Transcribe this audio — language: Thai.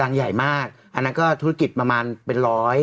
อันนั้นก็ธุรกิจประมาณเป็นร้อย